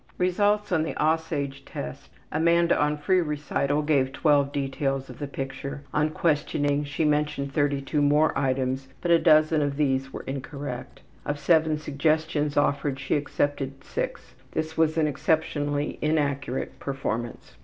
Results on the ``Aussage'' test: Amanda on free recital gave 12 details of the picture; on questioning she mentioned 32 more items, but a dozen of these were incorrect. Of 7 suggestions offered she accepted 6. This was an exceptionally inaccurate performance.